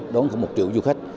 đóng khoảng một triệu du khách